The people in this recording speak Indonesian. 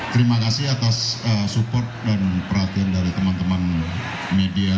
terima kasih atas support dan perhatian dari teman teman media